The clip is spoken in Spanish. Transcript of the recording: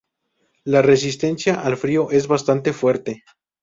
La resistencia al frío es bastante fuerte.